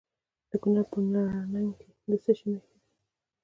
د کونړ په نرنګ کې د څه شي نښې دي؟